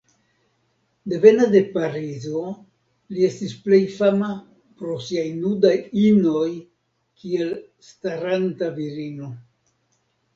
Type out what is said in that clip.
Devena de Parizo, li estis plej fama pro siaj nudaj inoj kiel "Staranta Virino".